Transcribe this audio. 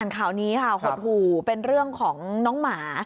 ข่าวนี้ค่ะหดหู่เป็นเรื่องของน้องหมา